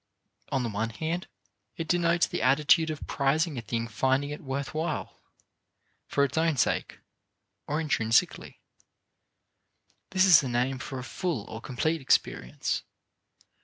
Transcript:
On the one hand, it denotes the attitude of prizing a thing finding it worth while, for its own sake, or intrinsically. This is a name for a full or complete experience.